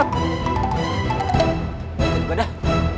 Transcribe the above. kita juga dah